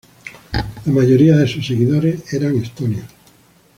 La mayoría de sus seguidores eran estonios.